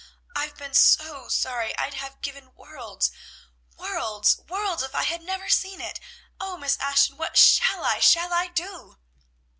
I've been so sorry. I'd have given worlds, worlds, worlds, if I had never seen it! O Miss Ashton, what shall I, shall I do?"